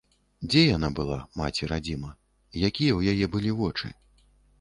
Дзе яна была, маці-радзіма, якія ў яе былі вочы?